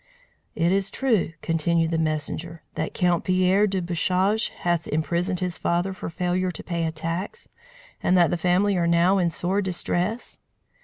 "Is it true," continued the messenger, "that Count Pierre de Bouchage hath imprisoned his father for failure to pay a tax, and that the family are now in sore distress?"